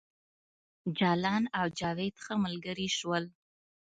جلان او جاوید ښه ملګري شول